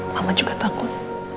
mama juga takut